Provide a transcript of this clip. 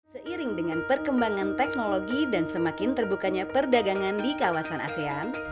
seiring dengan perkembangan teknologi dan semakin terbukanya perdagangan di kawasan asean